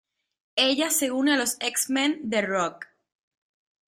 Ella se une a los X-Men de Rogue.